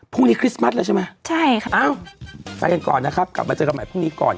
พรุ่งนี้คริสต์มัสแล้วใช่ไหมเอ้าไปกันก่อนนะครับกลับมาเจอกันใหม่พรุ่งนี้ก่อน